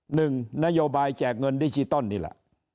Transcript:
หนึ่งนโยบายแจกเงินดิจิตอลนี่แหละ